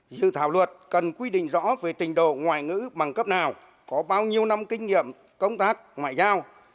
dự thảo luật cần quy định rõ về trình độ ngoại ngữ bằng cấp nào có bao nhiêu năm kinh nghiệm công tác ngoại giao